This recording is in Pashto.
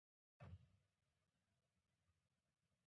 استاد د کتاب مړې پاڼې د خپل بیان په جادو سره ژوندۍ کوي.